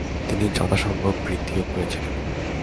তিনি যথাসম্ভব বৃদ্ধিও করেছিলেন।